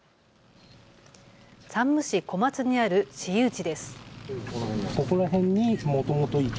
山武市小松にある市有地です。